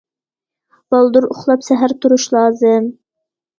بالدۇر ئۇخلاپ سەھەر تۇرۇش لازىم.